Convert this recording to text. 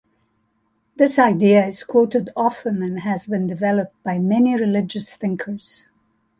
This idea is quoted often and has been developed by many religious thinkers.